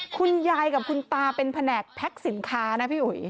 คุณยายกับคุณตาเป็นแผนกแพ็คสินค้านะพี่อุ๋ย